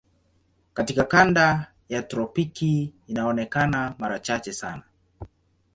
Katika kanda ya tropiki inaonekana mara chache sana tu.